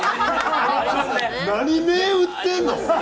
何銘打ってんの？